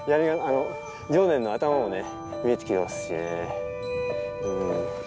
常念の頭も見えてきてますしね。